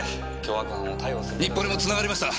日暮里も繋がりました。